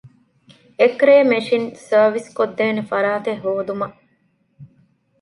އެކްރޭ މެޝިން ސަރވިސްކޮށްދޭނެ ފަރާތެއް ހޯދުމަށް